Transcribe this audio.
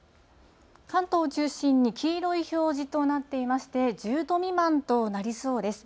関東を中心に黄色い表示となっていまして、１０度未満となりそうです。